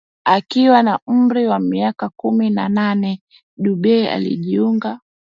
Akiwa na umri wa miaka kumi na nane Dube alijiunga